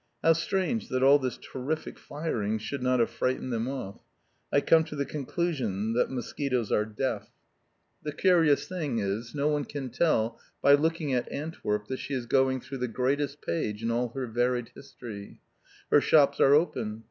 How strange that all this terrific firing should not have frightened them off! I come to the conclusion that mosquitoes are deaf. The curious thing is, no one can tell, by looking at Antwerp, that she is going through the greatest page in all her varied history. Her shops are open.